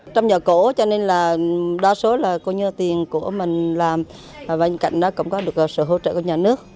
trong nhà cổ cho nên là đa số là tiền của mình làm và bên cạnh đó cũng có được sự hỗ trợ của nhà nước